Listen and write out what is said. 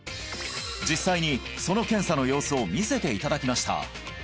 実際にその検査の様子を見せていただきました